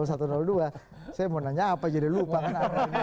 saya mau nanya apa jadi lupa kan aneh